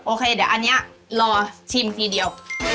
โอเคเดี๋ยวอันนี้รอชิมทีเดียว